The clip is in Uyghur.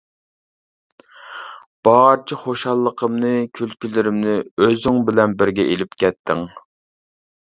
بارچە خۇشاللىقىمنى، كۈلكىلىرىمنى ئۆزۈڭ بىلەن بىرگە ئېلىپ كەتتىڭ!